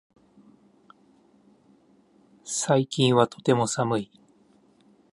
最近はとても寒い